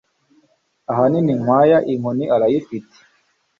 Ahanini Nkwaya inkoni arayifite